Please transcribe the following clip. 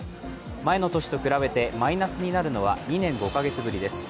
前の年と比べてマイナスになるのは２年５か月ぶりです。